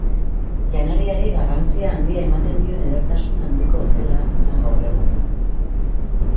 Janariari garrantzia handia ematen dion edertasun handiko hotela da gaur egun.